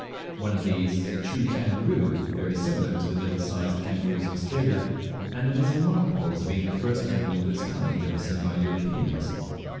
One of these is a true kangaroo, very similar to some of middle sized kangaroos of Australia, and it is remarkable as being the first animal of the kind ever seen by Europeans.